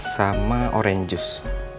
sama orange juice